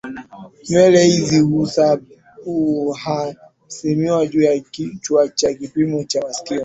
nywele hizi huhasimiwa juu ya kichwa kwa kipimo cha masikio